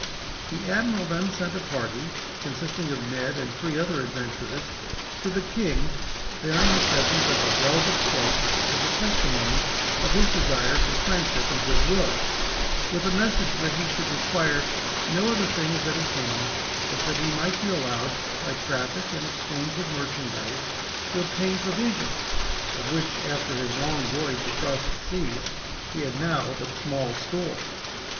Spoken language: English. The admiral then sent a party, consisting of Ned and three other adventurers, to the king; bearing the present of a velvet cloak, as a testimony of his desire for friendship and goodwill; with the message that he should require no other thing at his hands but that he might be allowed, by traffic and exchange of merchandise, to obtain provisions; of which, after his long voyage across the seas, he had now but small store.